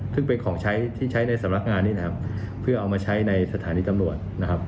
ซึ่งเป็นของใช้ที่ใช้ในสำนักงานนี้นะครับเพื่อเอามาใช้ในสถานีตำรวจนะครับ